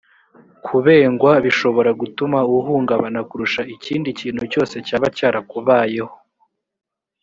kubengwa bishobora gutuma uhungabana kurusha ikindi kintu cyose cyaba cyarakubayeho